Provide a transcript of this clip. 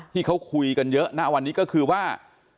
ที่เขาคุยกันเยอะนะวันนี้ก็คือว่า